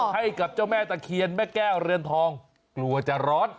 ให้กับเจ้าแม่ตะเคียนแม่แก้วเรือนทองกลัวจะร้อน